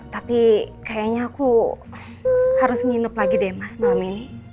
tapi kayaknya aku harus nginep lagi deh mas malam ini